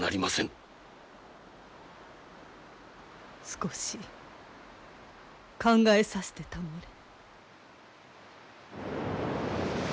少し考えさせてたもれ。